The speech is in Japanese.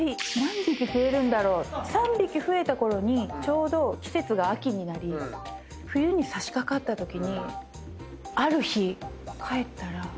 ３匹増えたころにちょうど季節が秋になり冬にさしかかったときに。